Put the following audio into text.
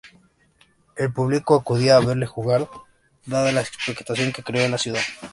El público acudía a verle jugar dada la expectación que creó en la ciudad.